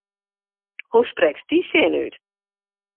Hoe sprekst dy sin út?